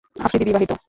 আফ্রিদি বিবাহিত।